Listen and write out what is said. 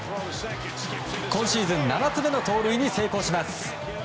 今シーズン７つ目の盗塁に成功。